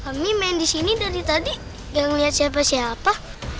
kami main disini dari tadi gak ngelihat siapa siapa